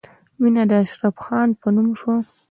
مینه د اشرف خان په نوم شوه